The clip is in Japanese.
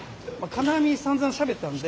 金網さんざんしゃべったんで。